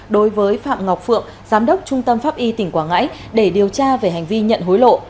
đối với phạm ngọc phượng giám đốc trung tâm pháp y tỉnh quảng ngãi để điều tra về hành vi nhận hối lộ